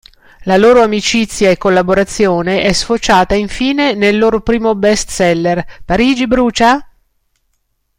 La loro amicizia e collaborazione è sfociata infine nel loro primo bestseller: "Parigi brucia?